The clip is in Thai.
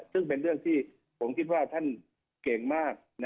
ซึ่งเป็นเรื่องที่ผมคิดว่าท่านเก่งมาก